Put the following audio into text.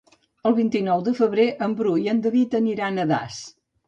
El vint-i-nou de febrer en Bru i en David aniran a Das.